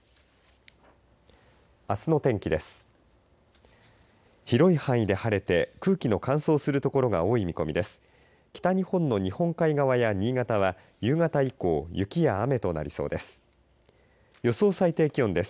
あすの天気です。